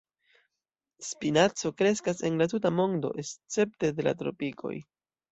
Spinaco kreskas en la tuta mondo escepte de la tropikoj.